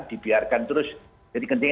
dibiarkan terus jadi kencingnya